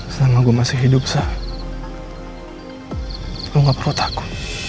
sama gua masih hidup sah hai bengkok roda aku